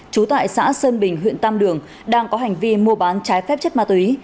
trú tại xã sơn bình huyện tam đường đang có hành vi mua bán trái phép chất ma túy